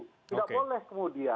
tidak boleh kemudian